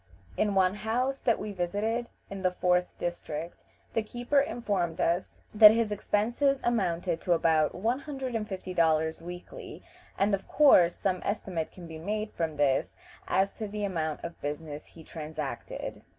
In one house that we visited, in the fourth district, the keeper informed us that his expenses amounted to about one hundred and fifty dollars weekly, and of course some estimate can be made from this as to the amount of business he transacted.